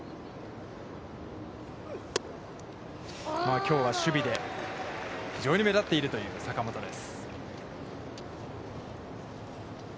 きょうは守備で非常に目立っているという坂本です。